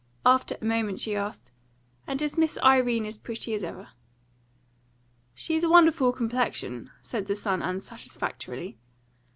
After a moment she asked: "And is Miss Irene as pretty as ever?" "She's a wonderful complexion," said the son unsatisfactorily.